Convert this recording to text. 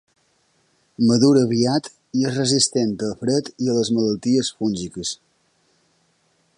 Madura aviat i és resistent al fred i a les malalties fúngiques.